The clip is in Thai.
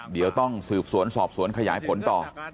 เดี๋ยวต้องสืบสวนสอบสวนขยายผลต่อ